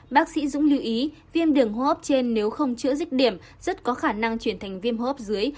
bác sĩ dũng lưu ý viêm đường hô hấp trên nếu không chữa rích điểm rất có khả năng chuyển thành viêm hô hấp dưới